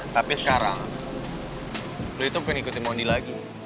tapi sekarang lo itu pengen ngikutin mondi lagi